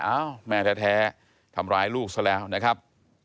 เอ้าแม่แท้ทำร้ายลูกซะแล้วนะครับ